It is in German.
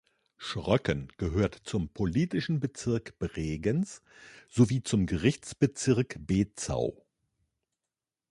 Schröcken gehört zum politischen Bezirk Bregenz sowie zum Gerichtsbezirk Bezau.